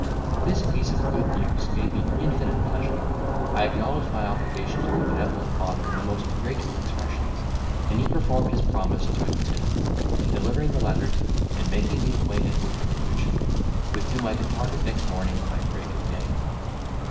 This piece of good news gave me infinite pleasure; I acknowledged my obligation to the benevolent father in the most grateful expressions; and he performed his promise to a tittle, in delivering the letters, and making me acquainted with the capuchin, with whom I departed next morning by break of day.